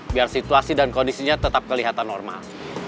biar situasi dan kondisinya tetap kelihatan normal